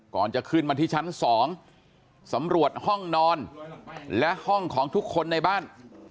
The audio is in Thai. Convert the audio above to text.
ก่อนจะขึ้นมาที่ชั้น๒สำรวจห้องนอนและห้องของทุกคนในบ้าน